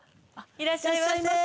いらっしゃいませ。